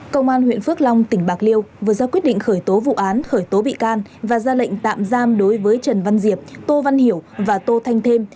công an huyện phước long tỉnh bạc liêu vừa ra quyết định khởi tố vụ án khởi tố bị can và ra lệnh tạm giam đối với trần văn diệp tô văn hiểu và tô thanh thêm